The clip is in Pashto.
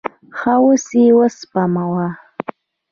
ښه، اوس یی وسپموه